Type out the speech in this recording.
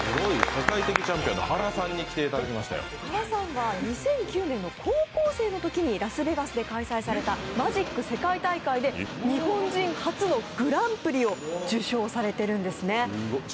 ＨＡＲＡさんは２００９年の高校生の時にラスベガスで開催されたマジック世界大会で日本人初のグランプリを受賞されてるんですね。